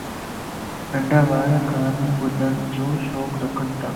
ننڍا ٻارَ ڪھاني ٻُڌڙ جو شوق رکنتا